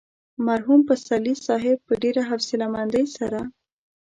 مرحوم پسرلي صاحب په ډېره حوصله مندۍ سره.